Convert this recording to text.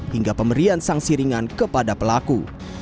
hingga pemberian sanksi ringan kepada pelaku